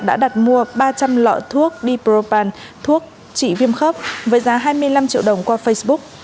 đã đặt mua ba trăm linh lọ thuốc dpropal thuốc chỉ viêm khớp với giá hai mươi năm triệu đồng qua facebook